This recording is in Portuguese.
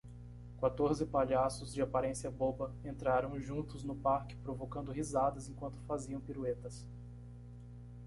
Quatorze palhaços de aparência boba entraram juntos no parque provocando risadas enquanto faziam piruetas.